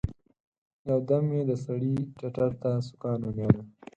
يو دم يې د سړي ټتر ته سوکان ونيول.